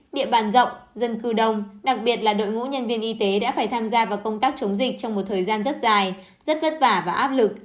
địa bàn rộng dân cư đông đặc biệt là đội ngũ nhân viên y tế đã phải tham gia vào công tác chống dịch trong một thời gian rất dài rất vất vả và áp lực